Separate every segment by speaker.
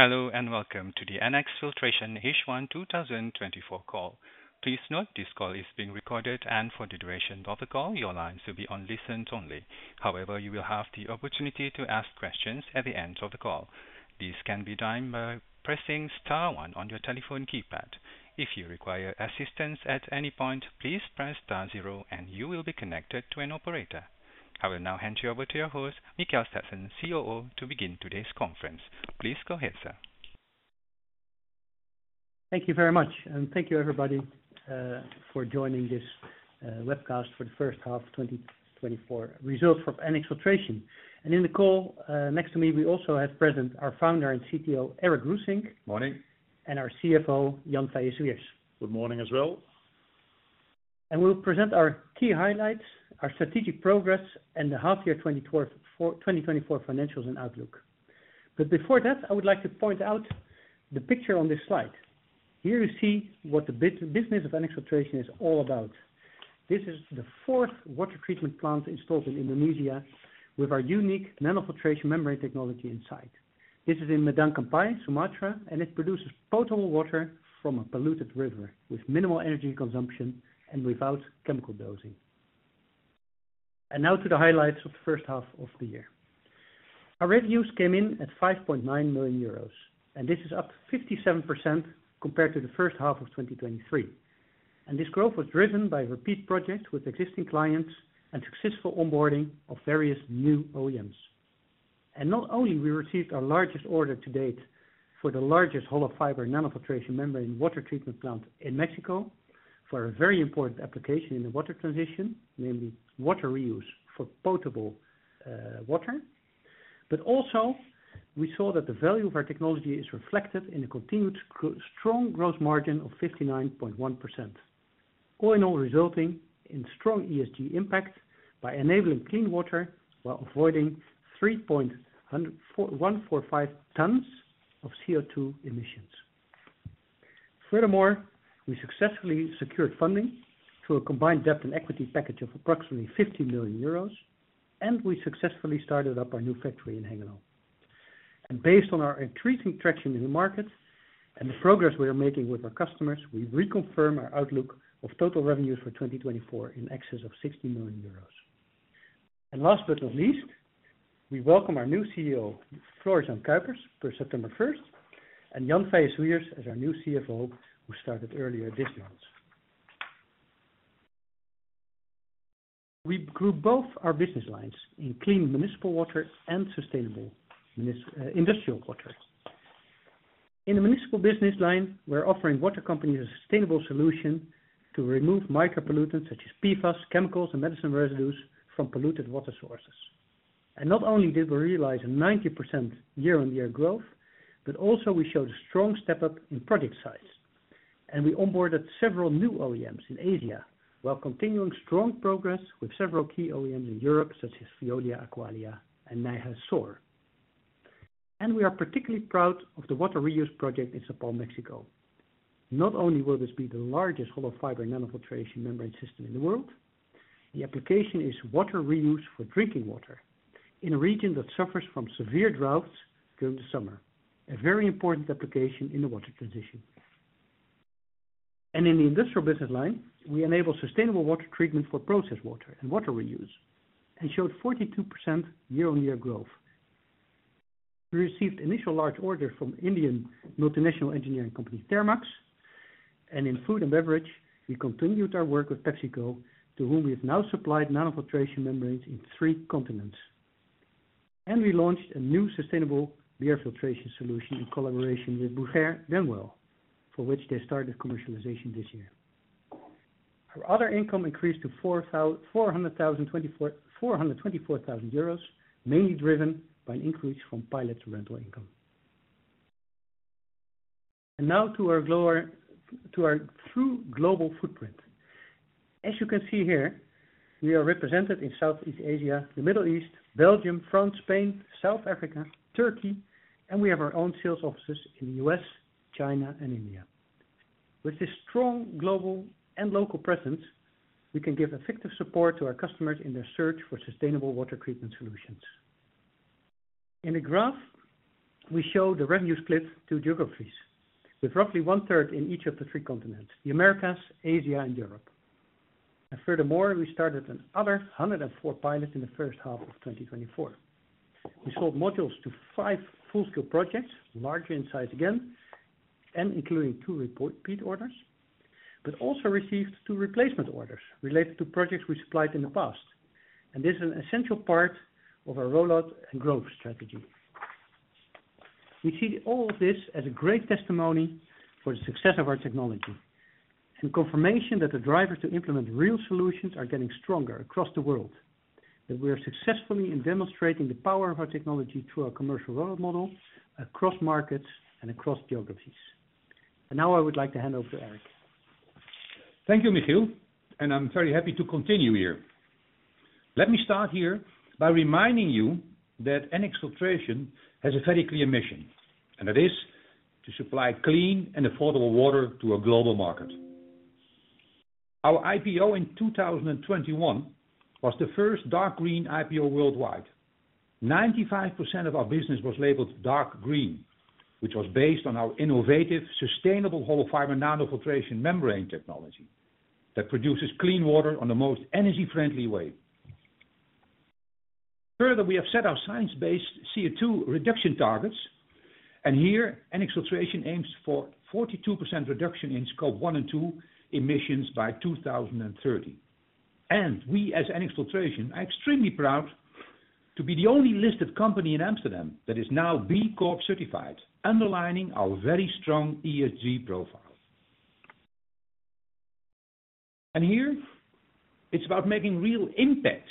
Speaker 1: Hello, and welcome to the NX Filtration H1 2024 call. Please note, this call is being recorded and for the duration of the call, your lines will be on listen only. However, you will have the opportunity to ask questions at the end of the call. This can be done by pressing star one on your telephone keypad. If you require assistance at any point, please press star zero and you will be connected to an operator. I will now hand you over to your host, Michiel Staatsen, COO, to begin today's conference. Please go ahead, sir.
Speaker 2: Thank you very much, and thank you everybody, for joining this webcast for the first half of 2024 results from NX Filtration. And in the call, next to me, we also have present our founder and CTO, Erik Roesink.
Speaker 3: Morning.
Speaker 2: And our CFO, Jan Feie Zweers.
Speaker 4: Good morning as well.
Speaker 2: We'll present our key highlights, our strategic progress, and the half year 2024 financials and outlook. But before that, I would like to point out the picture on this slide. Here you see what the business of NX Filtration is all about. This is the fourth water treatment plant installed in Indonesia with our unique nanofiltration membrane technology inside. This is in Medan, Sumatra, and it produces potable water from a polluted river, with minimal energy consumption and without chemical dosing. Now to the highlights of the first half of the year. Our revenues came in at 5.9 million euros, and this is up 57% compared to the first half of 2023. This growth was driven by repeat projects with existing clients and successful onboarding of various new OEMs. Not only we received our largest order to date for the largest hollow fiber nanofiltration membrane water treatment plant in Mexico, for a very important application in the water transition, namely water reuse for potable water. But also, we saw that the value of our technology is reflected in a continued strong gross margin of 59.1%. All in all, resulting in strong ESG impact by enabling clean water while avoiding 304,145 tons of CO2 emissions. Furthermore, we successfully secured funding through a combined debt and equity package of approximately 50 million euros, and we successfully started up our new factory in Hengelo. Based on our increasing traction in the market and the progress we are making with our customers, we reconfirm our outlook of total revenues for 2024 in excess of 16 million euros. Last but not least, we welcome our new CEO, Floris Jan Cuypers, for September first, and Jan Feie Zweers, as our new CFO, who started earlier this month. We grew both our business lines in clean municipal water and sustainable industrial water. In the municipal business line, we're offering water companies a sustainable solution to remove micropollutants such as PFAS, chemicals, and medicine residues from polluted water sources. And not only did we realize a 90% year-on-year growth, but also we showed a strong step up in project size, and we onboarded several new OEMs in Asia while continuing strong progress with several key OEMs in Europe, such as Veolia, Aqualia, and Nijhuis Saur Industries. And we are particularly proud of the water reuse project in Zapopan, Mexico. Not only will this be the largest hollow fiber nanofiltration membrane system in the world, the application is water reuse for drinking water in a region that suffers from severe droughts during the summer. A very important application in the water transition. And in the industrial business line, we enable sustainable water treatment for process water and water reuse, and showed 42% year-on-year growth. We received initial large orders from Indian multinational engineering company, Thermax, and in food and beverage, we continued our work with PepsiCo, to whom we have now supplied nanofiltration membranes in three continents. And we launched a new sustainable beer filtration solution in collaboration with Bucher Denwel, for which they started commercialization this year. Our other income increased to 424,000 euros, mainly driven by an increase from pilot rental income. And now to our global... To our true global footprint. As you can see here, we are represented in Southeast Asia, the Middle East, Belgium, France, Spain, South Africa, Turkey, and we have our own sales offices in the U.S., China, and India. With this strong global and local presence, we can give effective support to our customers in their search for sustainable water treatment solutions. In the graph, we show the revenue split to geographies, with roughly 1/3 in each of the three continents, the Americas, Asia, and Europe, and furthermore, we started another 104 pilots in the first half of 2024. We sold modules to five full-scale projects, larger in size again, and including two repeat orders, but also received two replacement orders related to projects we supplied in the past, and this is an essential part of our rollout and growth strategy. We see all of this as a great testimony for the success of our technology and confirmation that the drivers to implement real solutions are getting stronger across the world. That we are successfully in demonstrating the power of our technology through our commercial rollout model across markets and across geographies. And now I would like to hand over to Erik.
Speaker 3: Thank you, Michiel, and I'm very happy to continue here. Let me start here by reminding you that NX Filtration has a very clear mission, and that is to supply clean and affordable water to a global market. Our IPO in 2021 was the first Dark Green IPO worldwide. 95% of our business was labeled dark green, which was based on our innovative, sustainable hollow fiber nanofiltration membrane technology, that produces clean water on the most energy-friendly way. Further, we have set our science-based CO2 reduction targets, and here, NX Filtration aims for 42% reduction in Scope 1 and 2 emissions by 2030. And we, as NX Filtration, are extremely proud to be the only listed company in Amsterdam that is now B Corp certified, underlining our very strong ESG profile. And here, it's about making real impact.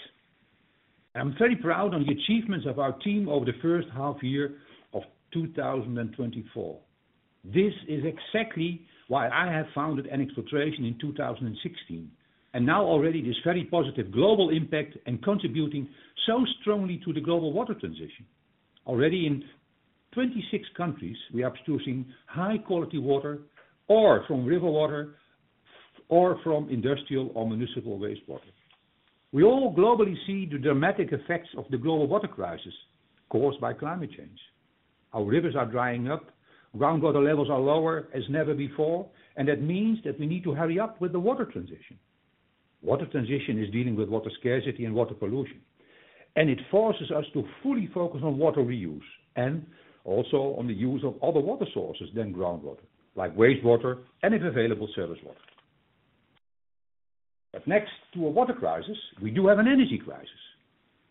Speaker 3: I'm very proud of the achievements of our team over the first half year of 2024. This is exactly why I have founded NX Filtration in 2016, and now already this very positive global impact and contributing so strongly to the global water transition. Already in 26 countries, we are producing high quality water from river water or from industrial or municipal wastewater. We all globally see the dramatic effects of the global water crisis caused by climate change. Our rivers are drying up, groundwater levels are lower than ever before, and that means that we need to hurry up with the water transition. Water transition is dealing with water scarcity and water pollution, and it forces us to fully focus on water reuse and also on the use of other water sources than groundwater, like wastewater and if available, surface water. Next to a water crisis, we do have an energy crisis.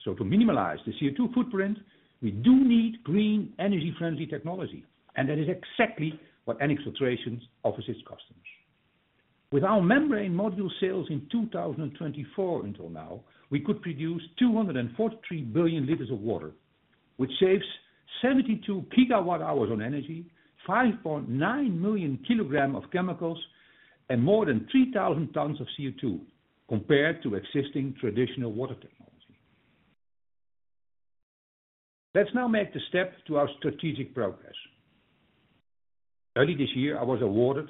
Speaker 3: To minimize the CO2 footprint, we do need green, energy-friendly technology, and that is exactly what NX Filtration offers its customers. With our membrane module sales in 2024, until now, we could produce 243 billion liters of water, which saves 72 GWh on energy, 5.9 million kg of chemicals, and more than 3,000 tons of CO2, compared to existing traditional water technology. Let's now make the step to our strategic progress. Early this year, I was awarded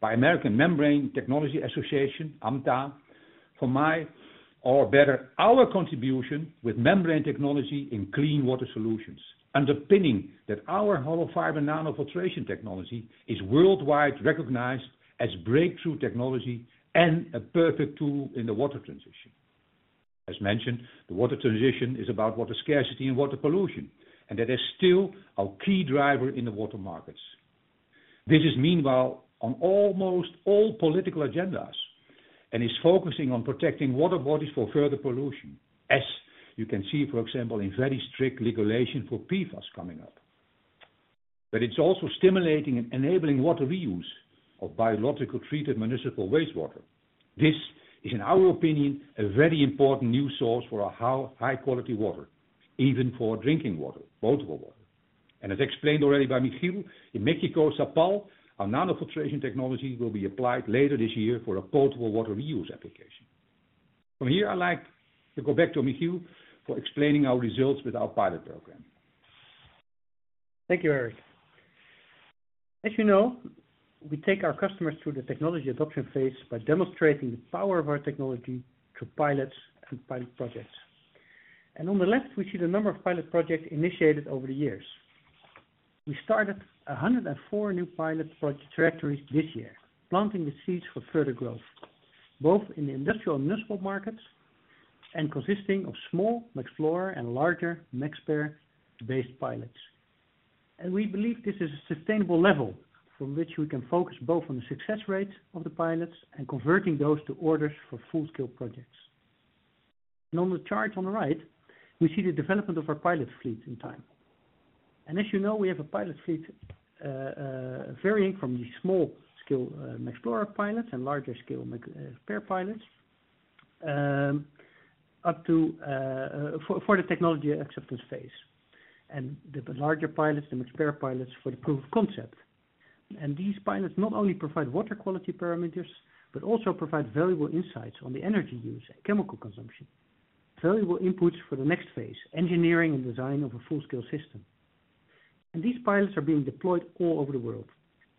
Speaker 3: by American Membrane Technology Association, AMTA, for my, or better, our contribution with membrane technology in clean water solutions, underpinning that our hollow fiber nanofiltration technology is worldwide recognized as breakthrough technology and a perfect tool in the water transition. As mentioned, the water transition is about water scarcity and water pollution, and that is still our key driver in the water markets. This is meanwhile, on almost all political agendas, and is focusing on protecting water bodies for further pollution, as you can see, for example, in very strict regulation for PFAS coming up. But it's also stimulating and enabling water reuse of biologically treated municipal wastewater. This is, in our opinion, a very important new source for our high, high quality water, even for drinking water, potable water, and as explained already by Michiel, in Mexico, SAPAL, our nanofiltration technology will be applied later this year for a potable water reuse application. From here, I'd like to go back to Michiel for explaining our results with our pilot program.
Speaker 2: Thank you, Erik. As you know, we take our customers through the technology adoption phase by demonstrating the power of our technology through pilots and pilot projects. On the left, we see the number of pilot projects initiated over the years. We started 104 new pilot project trajectories this year, planting the seeds for further growth, both in the industrial and municipal markets, and consisting of small Mexplorer and larger Mexpert-based pilots. We believe this is a sustainable level from which we can focus both on the success rate of the pilots and converting those to orders for full-scale projects. On the chart on the right, we see the development of our pilot fleet in time. And as you know, we have a pilot fleet, varying from the small scale, Mexplorer pilots and larger scale, Mexpert pilots, up to for the technology acceptance phase, and the larger pilots, the Mexpert pilots, for the proof of concept. And these pilots not only provide water quality parameters, but also provide valuable insights on the energy use and chemical consumption, valuable inputs for the next phase, engineering and design of a full-scale system. And these pilots are being deployed all over the world,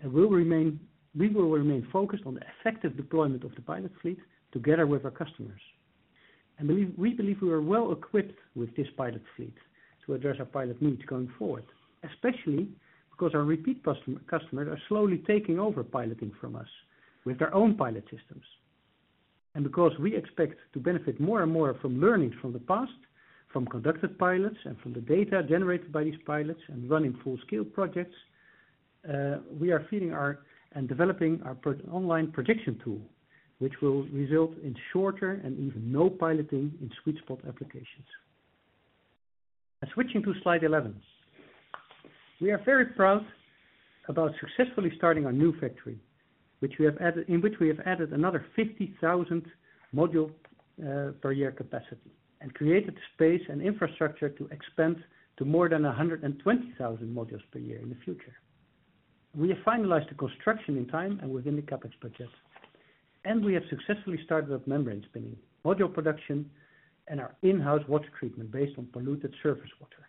Speaker 2: and will remain. We will remain focused on the effective deployment of the pilot fleet together with our customers. We believe we are well equipped with this pilot fleet to address our pilot needs going forward, especially because our repeat customers are slowly taking over piloting from us, with their own pilot systems. And because we expect to benefit more and more from learnings from the past, from conducted pilots and from the data generated by these pilots and running full scale projects, we are feeding our and developing our proprietary online prediction tool, which will result in shorter and even no piloting in sweet spot applications. And switching to Slide 11. We are very proud about successfully starting our new factory, in which we have added another 50,000 modules per year capacity, and created space and infrastructure to expand to more than 120,000 modules per year in the future. We have finalized the construction in time and within the CapEx budget, and we have successfully started up membrane spinning, module production, and our in-house water treatment based on polluted surface water.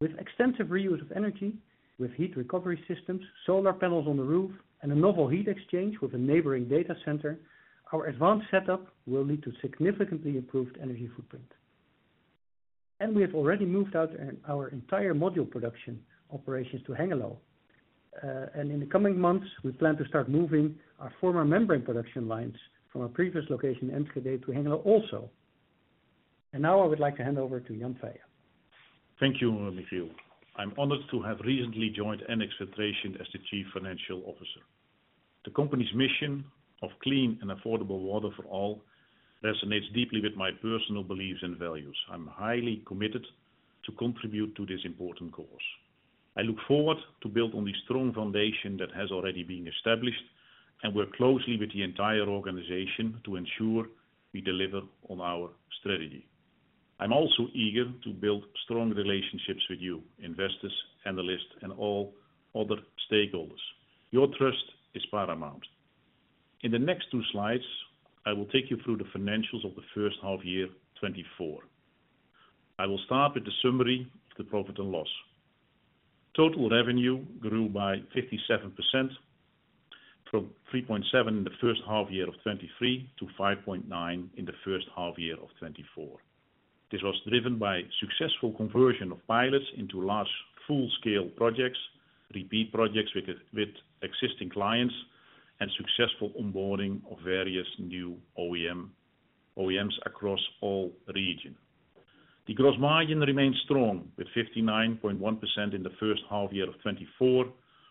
Speaker 2: With extensive reuse of energy, with heat recovery systems, solar panels on the roof, and a novel heat exchange with a neighboring data center, our advanced setup will lead to significantly improved energy footprint. We have already moved out our entire module production operations to Hengelo. In the coming months, we plan to start moving our former membrane production lines from our previous location, Enschede, to Hengelo also. Now I would like to hand over to Jan Feie.
Speaker 4: Thank you, Michiel. I'm honored to have recently joined NX Filtration as the Chief Financial Officer. The company's mission of clean and affordable water for all resonates deeply with my personal beliefs and values. I'm highly committed to contribute to this important cause. I look forward to build on the strong foundation that has already been established, and work closely with the entire organization to ensure we deliver on our strategy. I'm also eager to build strong relationships with you, investors, analysts, and all other stakeholders. Your trust is paramount. In the next two slides, I will take you through the financials of the first half year 2024. I will start with the summary of the profit and loss. Total revenue grew by 57%, from 3.7 in the first half year of 2023 to 5.9 in the first half year of 2024. This was driven by successful conversion of pilots into large, full-scale projects, repeat projects with existing clients, and successful onboarding of various new OEMs across all regions. The gross margin remains strong, with 59.1% in the first half year of 2024,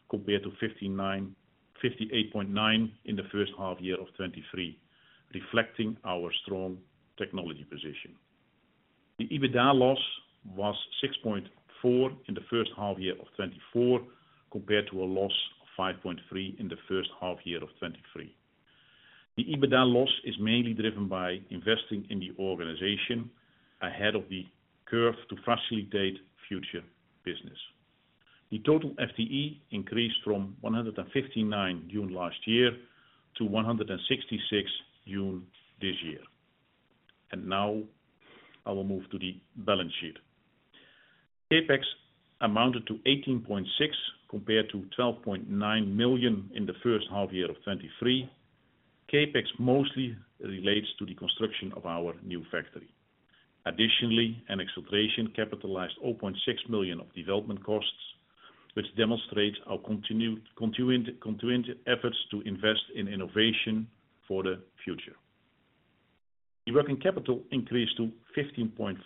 Speaker 4: compared to 58.9% in the first half year of 2023, reflecting our strong technology position. The EBITDA loss was 6.4 in the first half year of 2024, compared to a loss of 5.3 in the first half year of 2023. The EBITDA loss is mainly driven by investing in the organization ahead of the curve to facilitate future business. The total FTE increased from 159 in June last year to 166 in June this year. Now I will move to the balance sheet. CapEx amounted to 18.6 million, compared to 12.9 million in the first half year of 2023. CapEx mostly relates to the construction of our new factory. Additionally, NX Filtration capitalized 0.6 million of development costs, which demonstrates our continued efforts to invest in innovation for the future. The working capital increased to 15.4 million,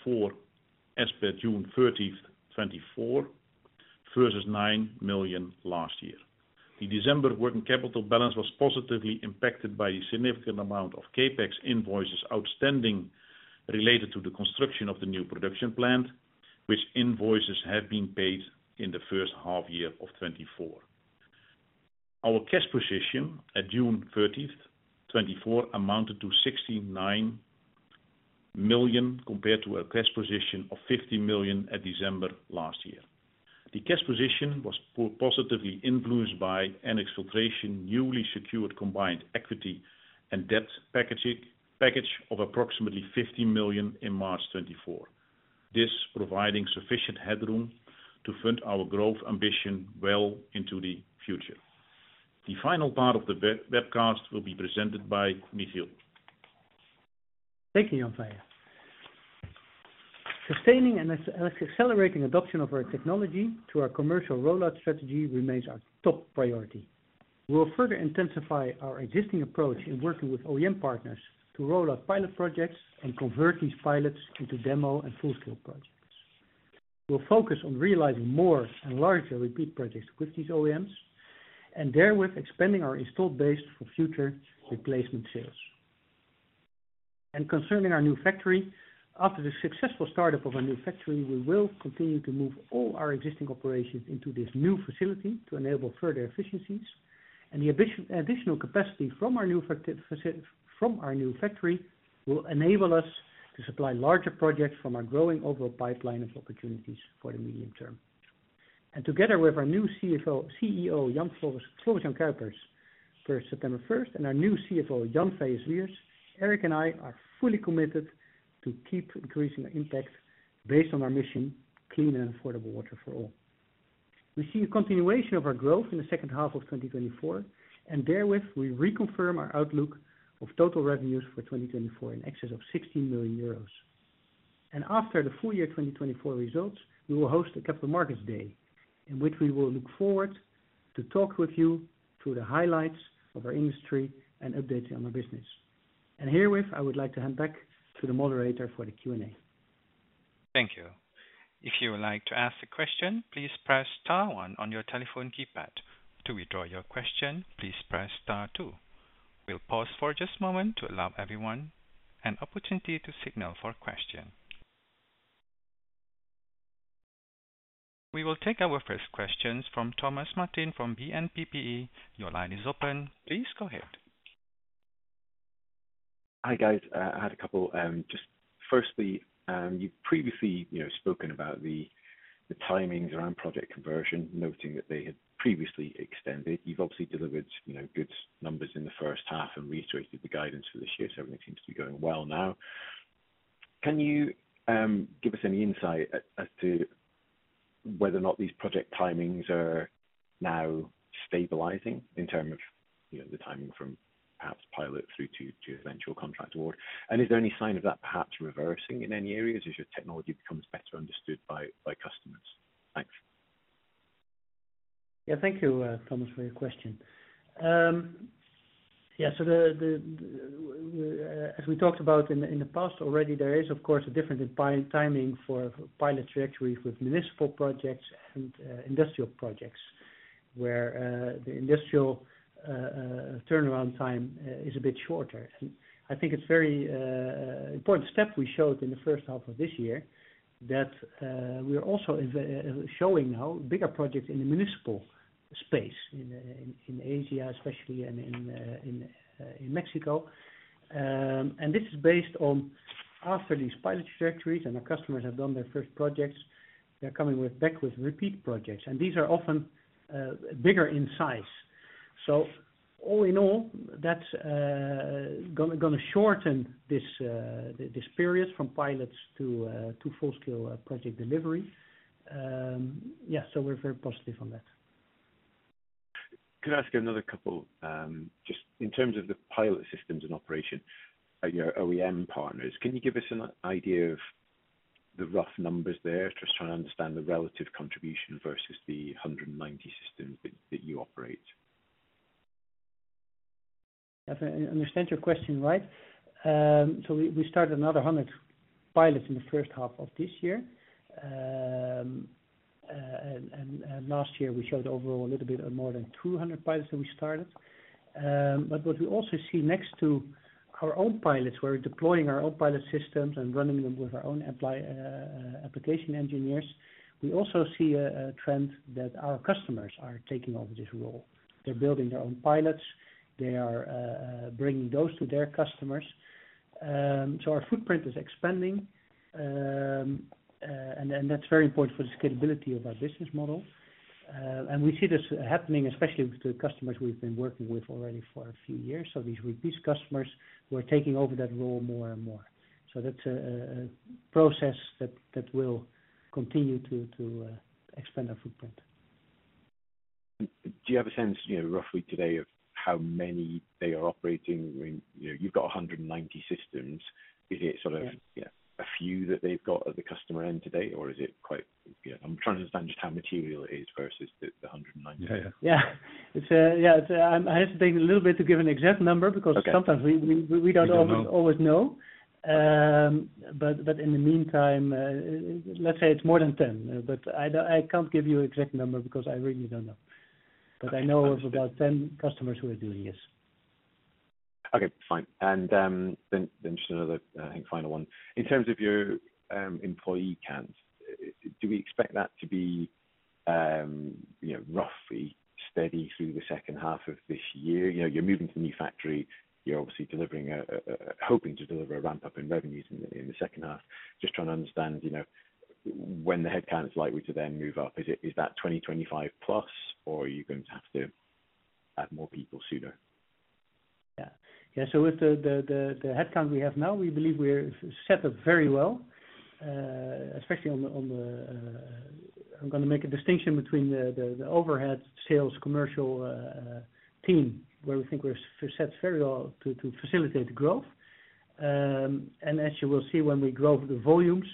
Speaker 4: as per June 30, 2024, versus 9 million last year. The December working capital balance was positively impacted by a significant amount of CapEx invoices outstanding, related to the construction of the new production plant, which invoices have been paid in the first half year of 2024. Our cash position at June 30, 2024, amounted to 69 million, compared to a cash position of 50 million at December last year. The cash position was positively influenced by NX Filtration, newly secured combined equity and debt package of approximately 50 million in March 2024. This providing sufficient headroom to fund our growth ambition well into the future. The final part of the webcast will be presented by Michiel.
Speaker 2: Thank you, Jan Feie. Sustaining and accelerating adoption of our technology to our commercial rollout strategy remains our top priority. We will further intensify our existing approach in working with OEM partners to roll out pilot projects and convert these pilots into demo and full-scale projects. We'll focus on realizing more and larger repeat projects with these OEMs, and therewith, expanding our installed base for future replacement sales. Concerning our new factory, after the successful startup of our new factory, we will continue to move all our existing operations into this new facility to enable further efficiencies. The additional capacity from our new factory will enable us to supply larger projects from our growing overall pipeline of opportunities for the medium term. Together with our new CEO, Floris Jan Cuypers, for September first, and our new CFO, Jan Feie Zweers, Erik and I are fully committed to keep increasing our impact based on our mission: clean and affordable water for all. We see a continuation of our growth in the second half of 2024, and therewith, we reconfirm our outlook of total revenues for 2024 in excess of 16 million euros. After the full year 2024 results, we will host a capital markets day, in which we will look forward to talk with you through the highlights of our industry and updates on our business. Herewith, I would like to hand back to the moderator for the Q&A.
Speaker 1: Thank you. If you would like to ask a question, please press star one on your telephone keypad. To withdraw your question, please press star two. We'll pause for just a moment to allow everyone an opportunity to signal for a question. We will take our first questions from Thomas Martin, from BNP Paribas Exane. Your line is open. Please go ahead.
Speaker 5: Hi, guys. Just firstly, you've previously, you know, spoken about the timings around project conversion, noting that they had previously extended. You've obviously delivered, you know, good numbers in the first half and reiterated the guidance for this year, so everything seems to be going well now. Can you give us any insight as to whether or not these project timings are now stabilizing in terms of, you know, the timing from perhaps pilot through to eventual contract award? And is there any sign of that perhaps reversing in any areas as your technology becomes better understood by customers? Thanks.
Speaker 2: Yeah, thank you, Thomas, for your question. Yeah, so as we talked about in the past already, there is of course a difference in pilot timing for pilot trajectories with municipal projects and industrial projects, where the industrial turnaround time is a bit shorter, and I think it's a very important step we showed in the first half of this year, that we are also showing now bigger projects in the municipal space, in Asia, especially, and in Mexico. And this is based on after these pilot trajectories, and our customers have done their first projects, they're coming back with repeat projects, and these are often bigger in size. So all in all, that's gonna shorten this period from pilots to full-scale project delivery. Yeah, so we're very positive on that.
Speaker 5: Can I ask you another couple? Just in terms of the pilot systems in operation at your OEM partners, can you give us an idea of the rough numbers there? Just trying to understand the relative contribution versus the 190 systems that you operate.
Speaker 2: If I understand your question, right, so we started another 100 pilots in the first half of this year. And last year we showed overall a little bit of more than 200 pilots that we started. But what we also see next to our own pilots, where we're deploying our own pilot systems and running them with our own application engineers, we also see a trend that our customers are taking over this role. They're building their own pilots. They are bringing those to their customers. So our footprint is expanding. And that's very important for the scalability of our business model. And we see this happening especially with the customers we've been working with already for a few years. So these repeat customers who are taking over that role more and more. So that's a process that will continue to expand our footprint.
Speaker 5: Do you have a sense, you know, roughly today, of how many they are operating? I mean, you know, you've got 190 systems. Is it sort of-
Speaker 2: Yeah.
Speaker 5: Yeah, a few that they've got at the customer end today, or is it quite? Yeah, I'm trying to understand just how material it is versus the 190.
Speaker 2: Yeah. Yeah. It's, yeah, I have to think a little bit to give an exact number because sometimes we don't always know. But in the meantime, let's say it's more than ten. But I don't, I can't give you exact number because I really don't know. But I know of about 10 customers who are doing this.
Speaker 5: Okay, fine. Then just another final one. In terms of your employee count, do we expect that to be, you know, roughly steady through the second half of this year? You know, you're moving to a new factory, you're obviously delivering, hoping to deliver a ramp-up in revenues in the second half. Just trying to understand, you know, when the headcount is likely to then move up. Is it 2025 plus, or are you going to have to add more people sooner?
Speaker 2: Yeah. Yeah, so with the headcount we have now, we believe we're set up very well. I'm gonna make a distinction between the overhead sales commercial team, where we think we're set very well to facilitate the growth, and as you will see when we grow the volumes,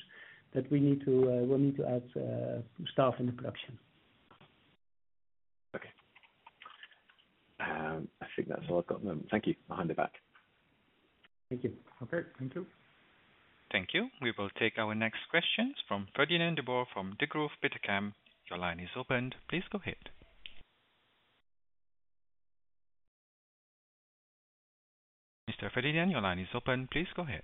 Speaker 2: we'll need to add staff in the production.
Speaker 5: Okay. I think that's all I've got now. Thank you. I'll hand it back.
Speaker 2: Thank you.
Speaker 4: Okay, thank you.
Speaker 1: Thank you. We will take our next questions from Fernand de Boer from Degroof Petercam. Your line is opened. Please go ahead. Mr. Fernand, your line is open. Please go ahead.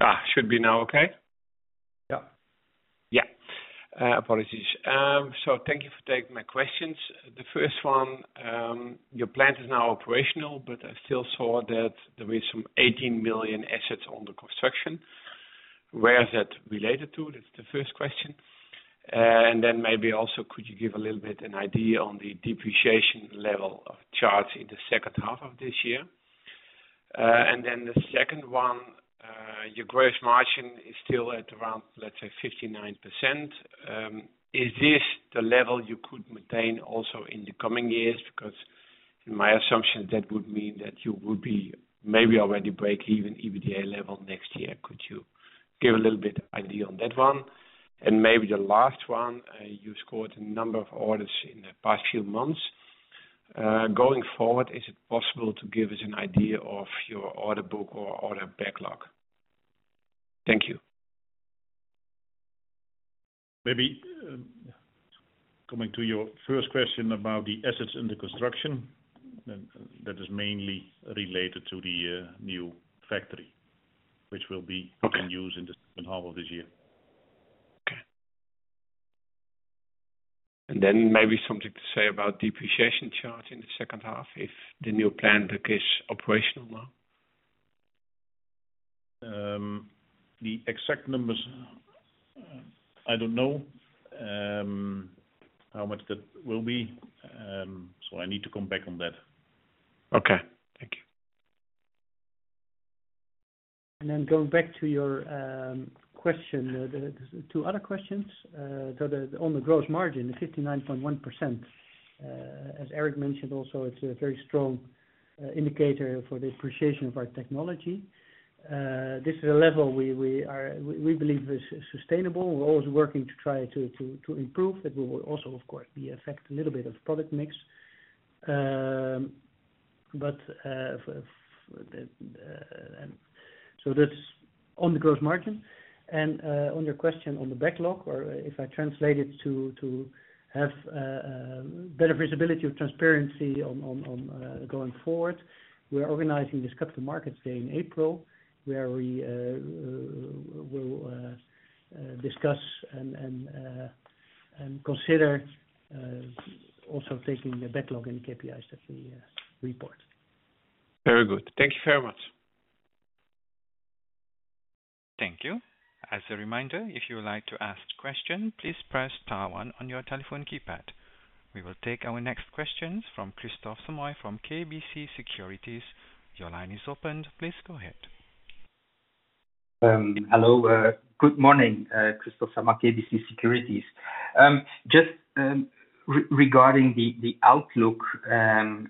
Speaker 6: Ah, should be now, okay?
Speaker 2: Yeah.
Speaker 6: Yeah, apologies. So thank you for taking my questions. The first one, your plant is now operational, but I still saw that there is some 18 million assets on the construction. Where is that related to? That's the first question. And then maybe also, could you give a little bit an idea on the depreciation level of CapEx in the second half of this year? And then the second one, your gross margin is still at around, let's say, 59%. Is this the level you could maintain also in the coming years? Because in my assumption, that would mean that you would be maybe already break-even EBITDA level next year. Could you give a little bit idea on that one? And maybe the last one, you scored a number of orders in the past few months.
Speaker 5: Going forward, is it possible to give us an idea of your order book or order backlog? Thank you.
Speaker 4: Maybe, coming to your first question about the assets in the construction, that is mainly related to the new factory, which will be in use in the second half of this year.
Speaker 5: Okay. And then maybe something to say about depreciation charges in the second half, if the new plant is operational now?
Speaker 4: The exact numbers, I don't know how much that will be, so I need to come back on that.
Speaker 5: Okay, thank you.
Speaker 2: And then going back to your question, the two other questions. So on the gross margin, the 59.1%, as Erik mentioned, also it's a very strong indicator for the appreciation of our technology. This is a level we believe is sustainable. We're always working to try to improve, but we will also, of course, be affected a little bit by product mix. But, so that's on the gross margin. And, on your question on the backlog, or if I translate it to have better visibility of transparency on going forward, we are organizing this Capital Markets Day in April, where we will discuss and consider also taking the backlog and KPIs that we report.
Speaker 5: Very good. Thank you very much.
Speaker 1: Thank you. As a reminder, if you would like to ask question, please press star one on your telephone keypad. We will take our next questions from Kristof Samoy from KBC Securities. Your line is opened. Please go ahead.
Speaker 7: Hello. Good morning, Christophe Samoy, KBC Securities. Just, regarding the outlook, and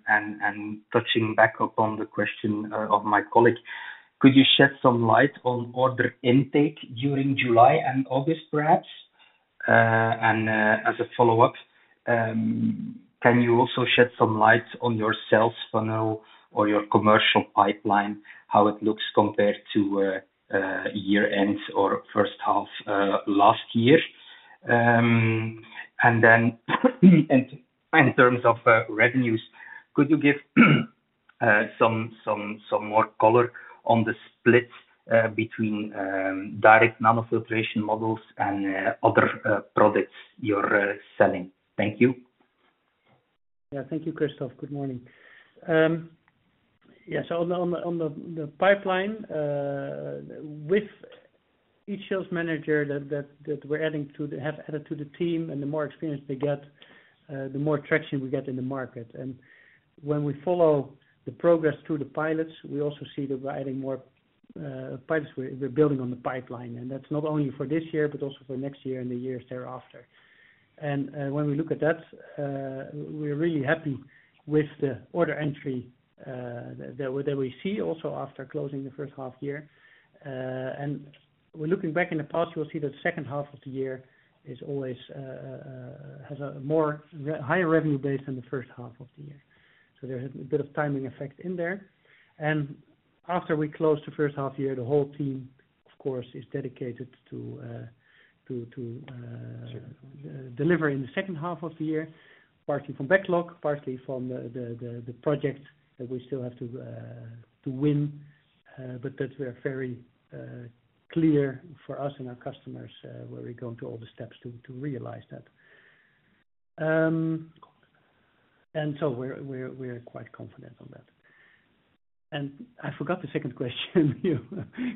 Speaker 7: touching back upon the question of my colleague, could you shed some light on order intake during July and August perhaps? And, as a follow-up, can you also shed some light on your sales funnel or your commercial pipeline, how it looks compared to year-end or first half last year? And then, in terms of revenues, could you give some more color on the split between direct nanofiltration modules and other products you're selling? Thank you. Yeah, thank you, Christophe. Good morning. Yes, so on the pipeline with each sales manager that we have added to the team, and the more experience they get, the more traction we get in the market. And when we follow the progress through the pilots, we also see that we're adding more pilots. We're building on the pipeline, and that's not only for this year but also for next year and the years thereafter. And when we look at that, we're really happy with the order entry that we see also after closing the first half year.
Speaker 2: And we're looking back in the past, you will see that second half of the year is always has a higher revenue base than the first half of the year. So there's a bit of timing effect in there. And after we close the first half year, the whole team, of course, is dedicated to delivering the second half of the year, partly from backlog, partly from the projects that we still have to win, but that we are very clear for us and our customers, where we're going through all the steps to realize that. And so we're quite confident on that. And I forgot the second question.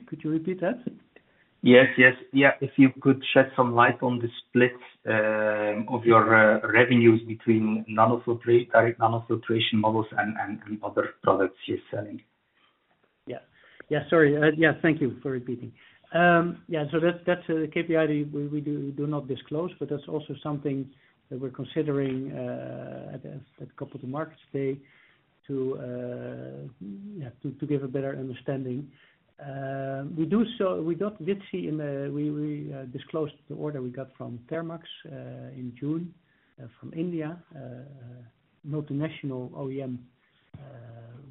Speaker 2: Could you repeat that?
Speaker 7: Yes, yes. Yeah, if you could shed some light on the split of your revenues between nanofiltration modules and other products you're selling.
Speaker 2: Yeah. Yeah, sorry. Yeah, thank you for repeating. Yeah, so that's a KPI we do not disclose, but that's also something that we're considering at Capital Markets Day to give a better understanding. We disclosed the order we got from Thermax in June from India, multinational OEM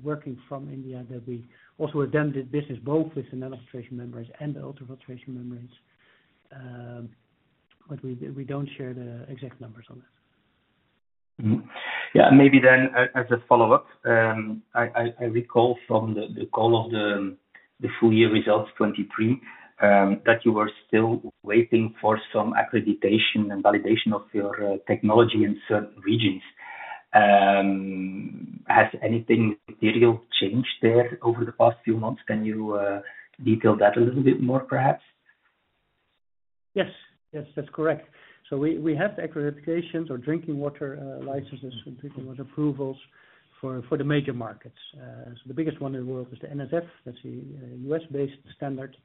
Speaker 2: working from India, that we also have done this business both with the nanofiltration membranes and the ultrafiltration membranes. But we don't share the exact numbers on that.
Speaker 7: Mm-hmm. Yeah, maybe then as a follow-up, I recall from the call of the full year results 2023, that you were still waiting for some accreditation and validation of your technology in certain regions. Has anything material changed there over the past few months? Can you detail that a little bit more, perhaps?
Speaker 2: Yes. Yes, that's correct, so we have the accreditations or drinking water licenses and drinking water approvals for the major markets. The biggest one in the world is the NSF. That's the U.S.-based standard,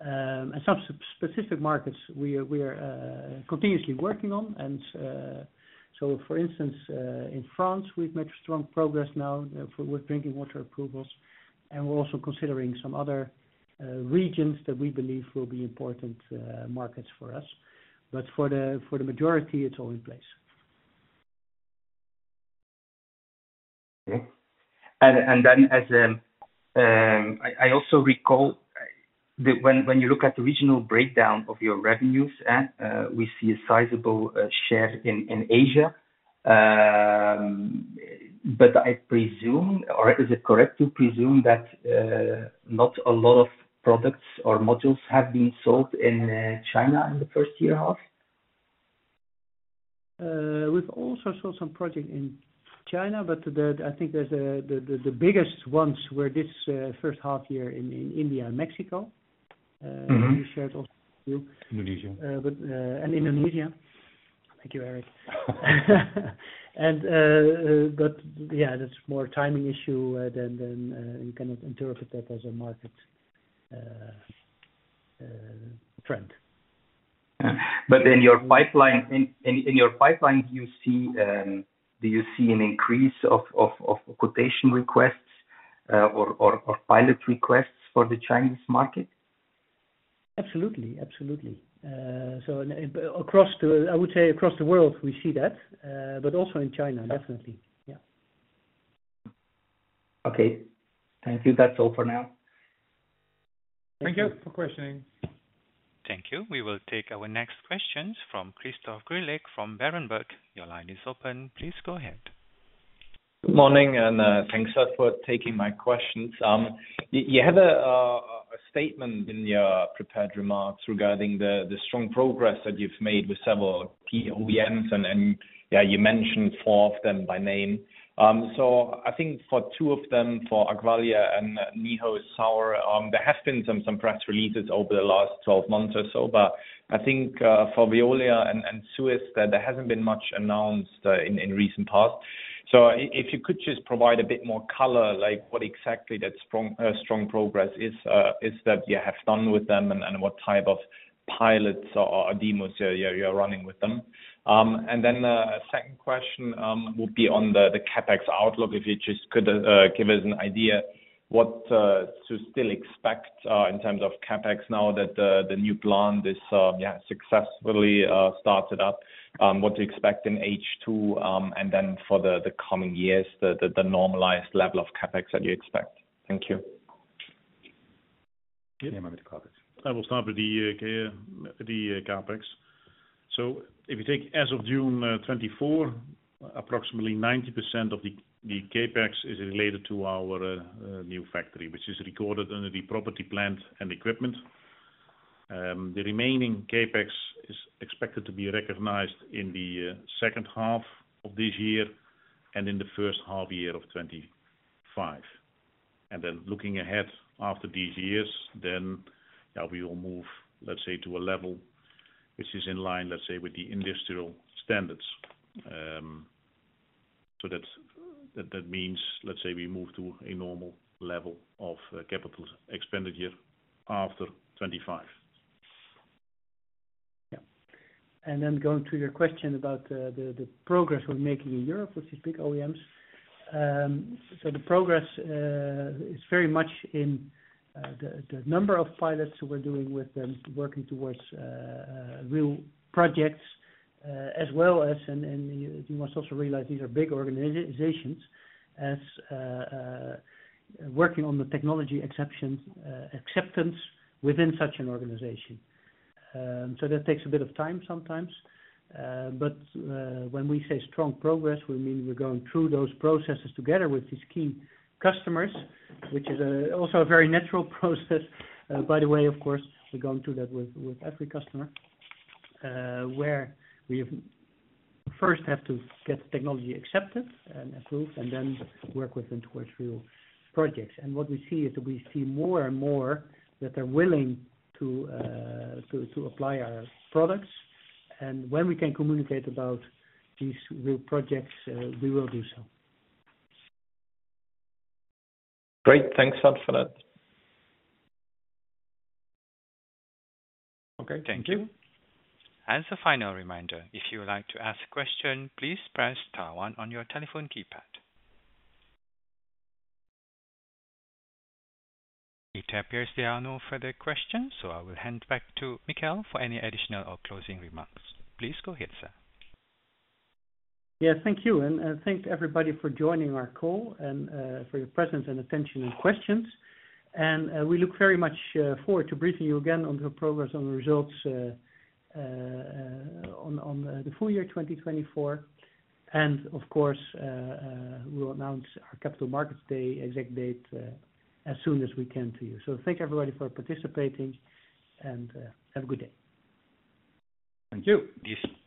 Speaker 2: and some specific markets we are continuously working on. For instance, in France, we've made strong progress now with drinking water approvals, and we're also considering some other regions that we believe will be important markets for us, but for the majority, it's all in place.
Speaker 7: Okay. And then as I also recall that when you look at the regional breakdown of your revenues, we see a sizable share in Asia. But I presume, or is it correct to presume that not a lot of products or modules have been sold in China in the first year half?
Speaker 2: .We've also saw some project in China, but I think the biggest ones were this first half year in India and Mexico we shared also with you.
Speaker 3: Indonesia.
Speaker 2: And Indonesia. Thank you, Erik. But yeah, that's more timing issue than you cannot interpret that as a market trend.
Speaker 7: But in your pipeline, do you see an increase of quotation requests or pilot requests for the Chinese market?
Speaker 2: Absolutely. Absolutely. So I would say across the world, we see that, but also in China, definitely. Yeah.
Speaker 7: Okay. Thank you. That's all for now.
Speaker 2: Thank you for questioning.
Speaker 1: Thank you. We will take our next questions from Christoph Greulich from Berenberg. Your line is open. Please go ahead.
Speaker 8: Good morning, and thanks, sir, for taking my questions. You had a statement in your prepared remarks regarding the strong progress that you've made with several key OEMs, and yeah, you mentioned four of them by name. So I think for two of them, for Aqualia and Nijhuis Saur, there have been some press releases over the last twelve months or so. But I think for Veolia and Suez, that there hasn't been much announced in recent past. So if you could just provide a bit more color, like, what exactly that strong progress is that you have done with them, and what type of pilots or demos you are running with them. And then a second question would be on the CapEx outlook. If you just could give us an idea what to still expect in terms of CapEx now that the new plant is successfully started up. What to expect in H2 and then for the coming years, the normalized level of CapEx that you expect. Thank you.
Speaker 4: Yeah, I'm going to cover it. I will start with the CapEx. So if you take as of June 2024, approximately 90% of the CapEx is related to our new factory, which is recorded under the property plant and equipment. The remaining CapEx is expected to be recognized in the second half of this year and in the first half year of 2025. And then looking ahead after these years, then we will move, let's say, to a level which is in line, let's say, with the industrial standards. So that's, that means, let's say we move to a normal level of capital expenditure after 2025.
Speaker 2: Yeah. And then going to your question about the progress we're making in Europe with these big OEMs. So the progress is very much in the number of pilots we're doing with them, working towards real projects, as well as. And you must also realize these are big organizations, as working on the technology acceptance within such an organization. So that takes a bit of time sometimes. But when we say strong progress, we mean we're going through those processes together with these key customers, which is also a very natural process. By the way, of course, we're going through that with every customer where we first have to get the technology accepted and approved, and then work with them towards real projects. What we see is that we see more and more that they're willing to apply our products. When we can communicate about these real projects, we will do so.
Speaker 8: Great. Thanks a lot for that.
Speaker 2: Okay.
Speaker 1: Thank you. As a final reminder, if you would like to ask a question, please press star one on your telephone keypad. It appears there are no further questions, so I will hand back to Michiel for any additional or closing remarks. Please go ahead, sir.
Speaker 2: Yeah, thank you and thank everybody for joining our call and for your presence and attention and questions. We look very much forward to briefing you again on the progress on the results on the full year 2024, and of course, we'll announce our capital markets day ex date as soon as we can to you. Thank everybody for participating, and have a good day.
Speaker 4: Thank you.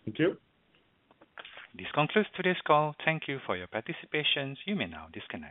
Speaker 3: Thank you.
Speaker 1: This concludes today's call. Thank you for your participation. You may now disconnect.